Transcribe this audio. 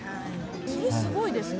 それすごいですね。